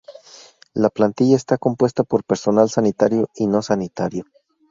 La plantilla está compuesta por personal sanitario y no sanitario.